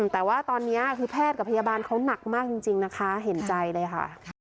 แต่ว่าตอนนี้คือแพทย์กับพยาบาลเขาหนักมากจริงนะคะเห็นใจเลยค่ะ